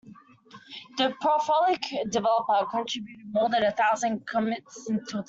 The prolific developer contributed more than a thousand commits until today.